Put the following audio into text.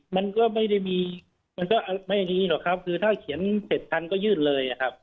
มันก็ไม่ได้มีมันก็ไม่ดีหรอกครับคือถ้าเขียนเสร็จทันก็ยื่นเลยครับ